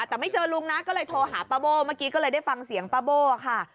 แต่ไม่เจอลุงนะก็เลยโทรหาป้าโบ้เมื่อกี้ก็เลยได้ฟังเสียงป้าโบ้ค่ะ